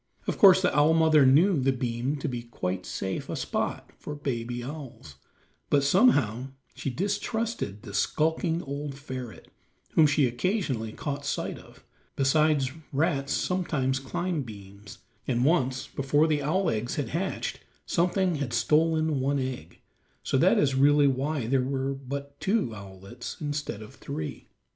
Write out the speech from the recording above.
Of course the owl mother knew the beam to be quite a safe spot for baby owls, but somehow she distrusted the skulking old ferret, whom she occasionally caught sight of; besides, rats sometimes climb beams, and once, before the owl eggs had hatched, something had stolen one egg; so that is really why there were but two owlets instead of three.